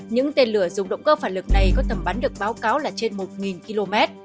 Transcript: những tên lửa dùng động cơ phản lực này có tầm bắn được báo cáo là trên một km